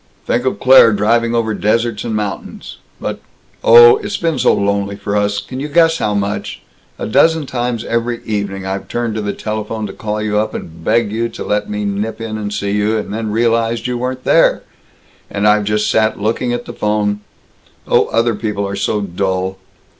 "Think of Claire driving over deserts and mountains. But Oh, it's been so lonely for us. Can you guess how much? A dozen times every evening, I've turned to the telephone to call you up and beg you to let me nip in and see you, and then realized you weren't there, and I've just sat looking at the 'phone Oh, other people are so dull!"